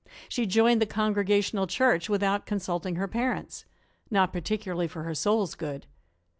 She joined the Congregational Church without consulting her parents; not particularly for her soul's good.